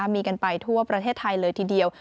มีกันไปทั่วประเทศไทยเลยทีเดียว